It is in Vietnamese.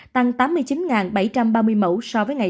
tăng tám mươi chín bảy trăm ba mươi mẫu